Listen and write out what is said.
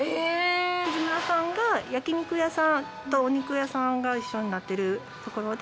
ふじむらさんが焼き肉屋さんとお肉屋さんが一緒になってるところで。